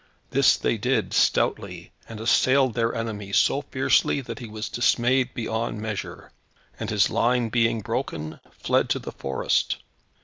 This they did stoutly, and assailed their enemy so fiercely that he was dismayed beyond measure, and his line being broken, fled to the forest.